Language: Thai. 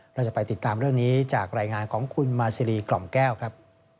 เราจะไปติดตามเรื่องนี้จากรายงานของคุณมาซีรีกล่อมแก้วครับ